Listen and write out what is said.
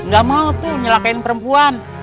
gak mau tuh nyelakain perempuan